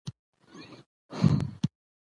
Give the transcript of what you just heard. لاليه کلک مې غېږ کې نيسه